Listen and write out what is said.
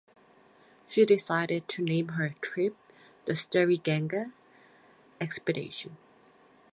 She decided to name her trip the "Starry Ganga (Ganges) Expedition".